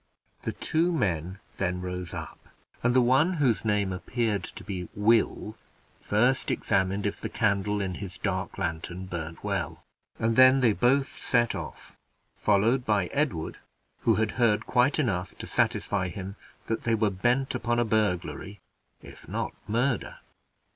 The two men then rose up; and the one whose name appeared to be Will first examined if the candle in his dark lantern burned well; and then they both set off, followed by Edward, who had heard quite enough to satisfy him that they were bent upon a burglary, if not murder.